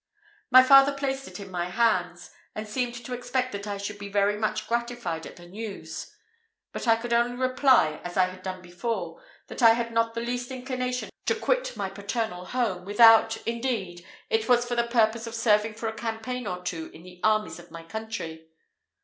My father placed it in my hands, and seemed to expect that I should be very much gratified at the news; but I could only reply, as I had done before, that I had not the least inclination to quit my paternal home, without, indeed, it was for the purpose of serving for a campaign or two in the armies of my country.